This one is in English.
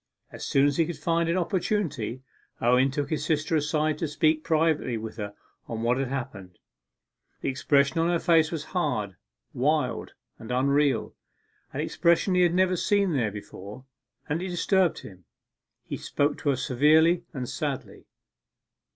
As soon as he could find an opportunity, Owen took his sister aside to speak privately with her on what had happened. The expression of her face was hard, wild, and unreal an expression he had never seen there before, and it disturbed him. He spoke to her severely and sadly.